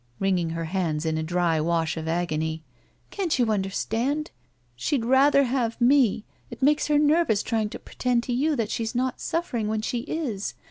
wringing her hands in a dry wash of agony, "can't you imderstand? She'd rather have me. It makes her nervous trjring to pretend to you that she's not suffering when she is.